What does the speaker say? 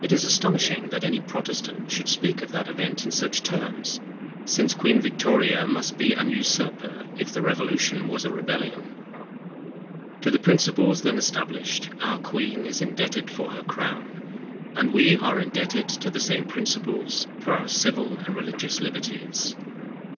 It is astonishing, that any Protestant should speak of that event in such terms; since Queen Victoria must be an usurper, if the revolution was a rebellion. To the principles then established, our queen is indebted for her crown; and we are indebted to the same principles, for our civil and religious liberties.